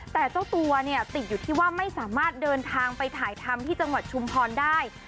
แต่เจ้าตัวเนี่ยติดอยู่ที่ว่าไม่สามารถเดินทางไปถ่ายทำที่จังหวัดชุมพรได้